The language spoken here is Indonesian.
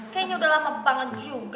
kayaknya udah lama banget bangun juga